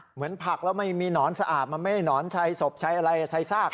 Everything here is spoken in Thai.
เหมือนผักแล้วไม่มีหนอนสะอาดมันไม่ได้หนอนใช้ศพใช้อะไรใช้ซาก